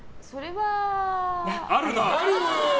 あるな！